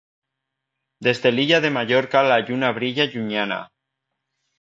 Des de l'illa de Mallorca la lluna brilla llunyana.